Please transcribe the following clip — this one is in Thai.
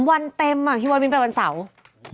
วันเต็มอ่ะพี่วัดมิ้นไปวันเสาร์